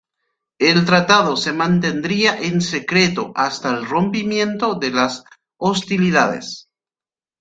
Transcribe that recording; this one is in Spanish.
El tratado se mantendría en secreto hasta el rompimiento de las hostilidades.